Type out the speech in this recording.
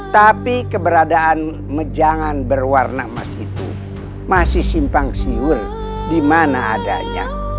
tapi keberadaan mejangan berwarna emas itu masih simpang siur di mana adanya